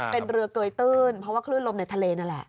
เป็นเรือเกยตื้นเพราะว่าคลื่นลมในทะเลนั่นแหละ